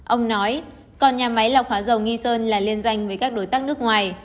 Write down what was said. ông nói còn nhà máy lọc hóa dầu nghi sơn là liên doanh với các đối tác nước ngoài